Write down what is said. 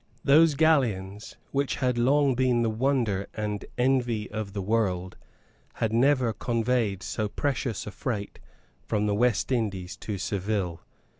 Those galleons which had long been the wonder and envy of the world had never conveyed so precious a freight from the West Indies to Seville.